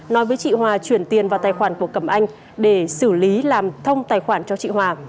nói với chị hòa chuyển tiền vào tài khoản của cẩm anh để xử lý làm thông tài khoản cho chị hòa